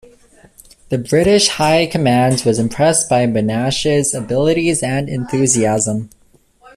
The British High Command was impressed by Monash's abilities and enthusiasm.